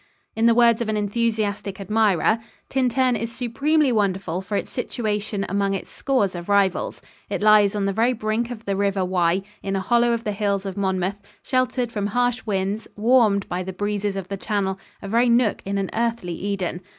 In the words of an enthusiastic admirer, "Tintern is supremely wonderful for its situation among its scores of rivals. It lies on the very brink of the River Wye, in a hollow of the hills of Monmouth, sheltered from harsh winds, warmed by the breezes of the Channel a very nook in an earthly Eden.